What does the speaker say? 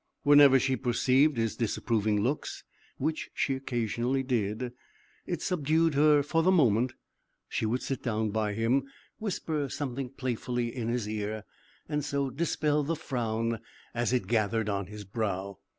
Whenever she perceived his disapproving looks which she occasionally did it subdued her for the moment; she would sit down by him, whisper something playfully in his ear, and so dispel the frown as it gathered on his brow.